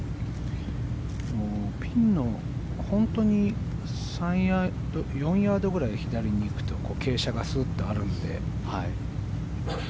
ピンの、本当に３ヤード、４ヤードぐらい左に行くと傾斜がすっとあるので。